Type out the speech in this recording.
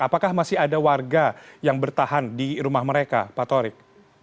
apakah masih ada warga yang bertahan di rumah mereka pak torik